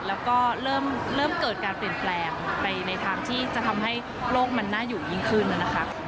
แล้วก็เริ่มเกิดการเปลี่ยนแปลงไปในทางที่จะทำให้โลกมันน่าอยู่ยิ่งขึ้นนะคะ